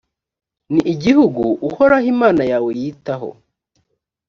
ni igihugu uhoraho imana yawe yitaho,